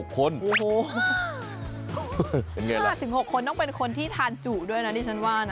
ขนาด๑๖คนต้องเป็นคนที่ทานจุด้วยนะที่ฉันว่านะ